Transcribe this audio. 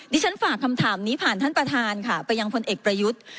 ฉันฝากคำถามนี้ผ่านท่านประธานค่ะไปยังพลเอกประยุทธ์